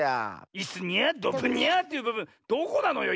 「いすにゃとふにゃ」というぶぶんどこなのよ？